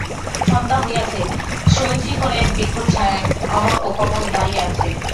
সন্ধ্যা হইয়াছে, শৈলশিখরের বৃক্ষচ্ছায়ায় অমর ও কমল দাঁড়াইয়া আছে।